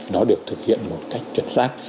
nó được thực hiện một cách chuẩn xác